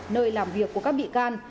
nơi làm việc của các bị can